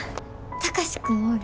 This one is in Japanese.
貴司君おる？